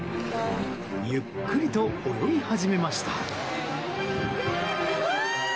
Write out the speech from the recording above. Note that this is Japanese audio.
ゆっくりと泳ぎ始めました。